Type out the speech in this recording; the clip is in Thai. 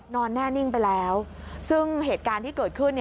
นอนแน่นิ่งไปแล้วซึ่งเหตุการณ์ที่เกิดขึ้น